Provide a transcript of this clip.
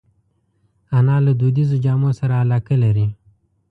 انا له دودیزو جامو سره علاقه لري